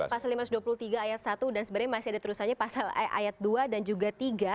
pasal lima ratus dua puluh tiga ayat satu dan sebenarnya masih ada terusannya pasal ayat dua dan juga tiga